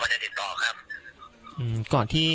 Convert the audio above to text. อ๋อมันได้ติดต่อครับ